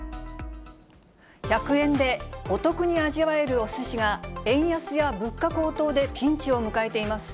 １００円でお得に味わえるおすしが、円安や物価高騰でピンチを迎えています。